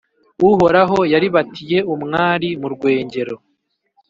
Uhoraho yaribatiye umwari mu rwengero,